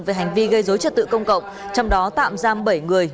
về hành vi gây dối trật tự công cộng trong đó tạm giam bảy người